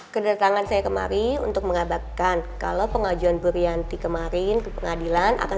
ke datangan saya kemari untuk mengabarkan kalau pengajuan bu rianti kemarin ke pengadilan akan